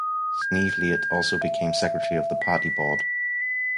Sneevliet also became secretary of the party-board.